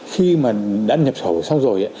khi mà đã nhập khẩu xong rồi